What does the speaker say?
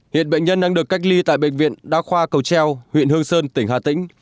hiện bệnh nhân đang được cách ly tại bệnh viện đa khoa cầu treo huyện hương sơn tỉnh hà tĩnh